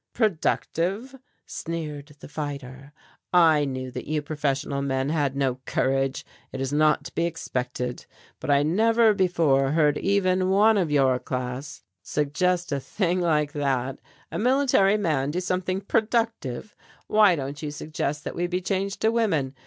"Productive!" sneered the fighter. "I knew that you professional men had no courage it is not to be expected but I never before heard even one of your class suggest a thing like that a military man do something productive! Why don't you suggest that we be changed to women?"